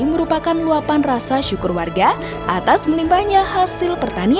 merupakan luapan rasa syukur warga atas melimbahnya hasil pertanian